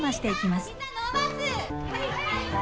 はい！